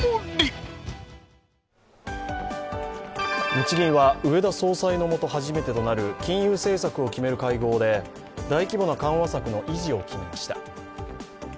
日銀は植田総裁のもと初めてとなる金融政策を決める会合で大規模な緩和策の維持を決めました。